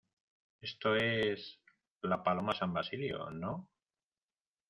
esto es... la Paloma San Basilio, ¿ no?